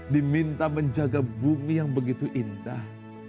diminta menjaga bumi yang begitu indah